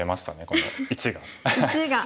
この１が。